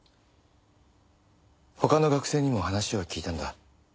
他の学生にも話を聞いたんだ。